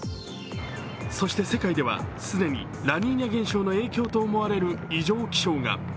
そして世界では既に、ラニーニャ現象の影響とみられる異常気象が。